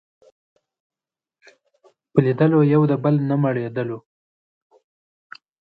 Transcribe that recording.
په لیدلو یو د بل نه مړېدلو